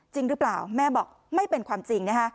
จริงหรือเปล่าแม่บอกไม่เป็นความจริงนะคะ